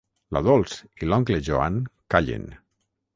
La Dols i l'oncle Joan callen.